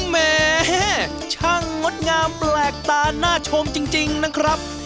แหมช่างงดงามแปลกตาน่าชมจริงนะครับ